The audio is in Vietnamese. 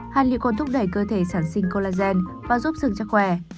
hạt lựu còn thúc đẩy cơ thể sản sinh collagen và giúp sừng chắc khỏe